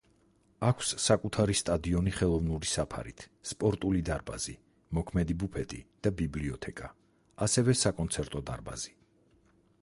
აქვს საკუთარი სტადიონი ხელოვნური საფარით, სპორტული დარბაზი, მოქმედი ბუფეტი და ბიბლიოთეკა, ასევე საკონცერტო დარბაზი.